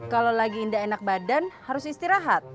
kalau lagi indah enak badan harus istirahat